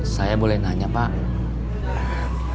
saya boleh nanya pak